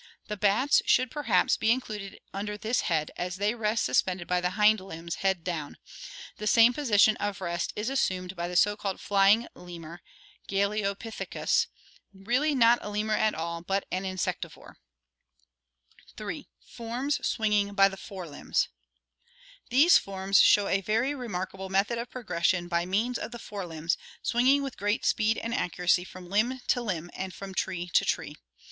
The bats should perhaps also be included under this head, as they rest suspended by the hind limbs, head down. The same position of rest is assumed by the so called flying lemur, Galeopithecus, really not a lemur at all but an insectivore (see page 349). 3. Forms swinging by the fore limbs (brachiation, Gr. f3paxi&vy arm). These forms show a very remarkable method of progression by means of the fore limbs, swinging with great speed and accuracy from limb to limb and from tree to tree.